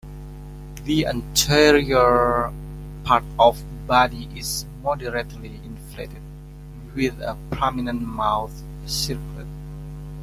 The anterior part of the body is moderately inflated, with a prominent mouth circlet.